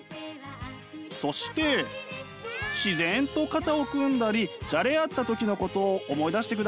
そして自然と肩を組んだりじゃれ合った時のことを思い出してください。